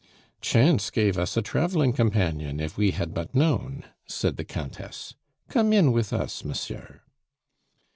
"Chance gave us a traveling companion, if we had but known!" said the Countess. "Come in with us, monsieur."